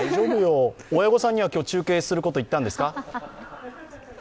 親御さんには、今日、中継することを言ったんですか？